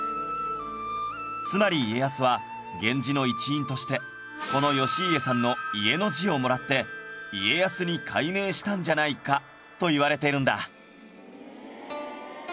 つまり家康は源氏の一員としてこの義家さんの「家」の字をもらって家康に改名したんじゃないか？といわれているんだ